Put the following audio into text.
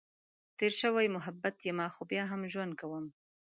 تېر شوی محبت یمه، خو بیا هم ژوند کؤم.